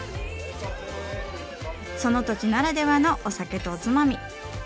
その土地ならではのお酒とおつまみ。